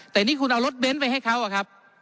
แต่นี่คุณเอารถเบนท์ไปให้เขาอะครับ